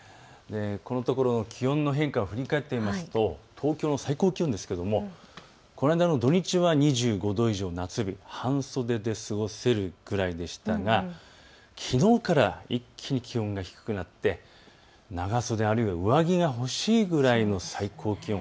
このところの気温の変化を振り返ってみますと東京の最高気温ですけれどもこの間の土日は２５度以上、夏日、半袖で過ごせるくらいでしたがきのうから一気に気温が低くなって長袖、あるいは上着が欲しいくらいの最高気温。